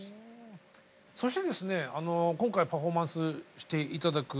そしてですね今回パフォーマンスして頂く「Ｕｎｉｖｅｒｓｅ」。